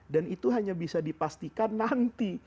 dan itu hanya bisa dipastikan nanti